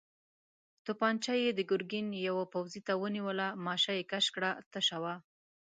توپانجه يې د ګرګين يوه پوځي ته ونيوله، ماشه يې کش کړه، تشه وه.